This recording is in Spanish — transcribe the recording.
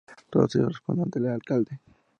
Todos ellos responden ante el alcalde.